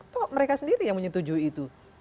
toh mereka sendiri yang menyetujui itu